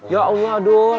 ya allah dul